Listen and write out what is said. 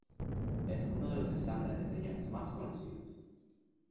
Es uno de los estándares de jazz más conocidos.